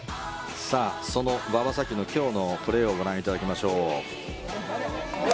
その馬場咲希の今日のプレーをご覧いただきましょう。